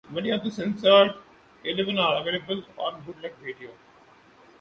Many of the Censored Eleven are available on bootleg video.